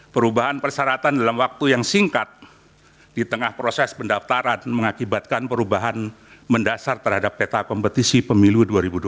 perubahan persyaratan dalam waktu yang singkat di tengah proses pendaftaran mengakibatkan perubahan mendasar terhadap peta kompetisi pemilu dua ribu dua puluh